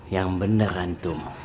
yang bener antum